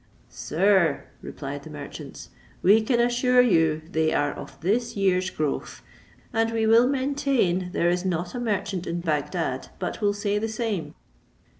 "Sir," replied the merchants, "we can assure you they are of this year's growth: and we will maintain there is not a merchant in Bagdad but will say the same."